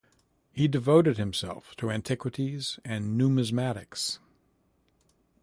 He devoted himself to antiquities and numismatics.